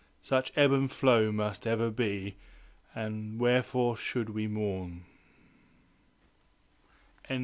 – Such ebb and flow must ever be, Then wherefore should we mourn? 1806.